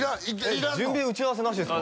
いらんの？準備打ち合わせなしですか？